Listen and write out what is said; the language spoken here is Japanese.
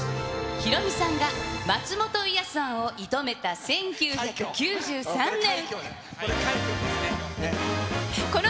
ヒロミさんが松本伊代さんを射止めた１９９３年。